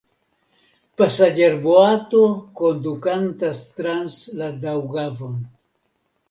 Pasaĝerboato kondukantas trans la Daŭgavon.